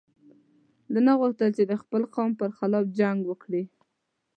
ده نه غوښتل چې د خپل قوم پر خلاف جنګ وکړي.